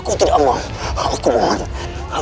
aku tidak mau ikut bersamamu lagi